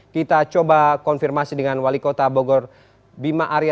kita coba konfirmasi dengan wali kota bogor bima arya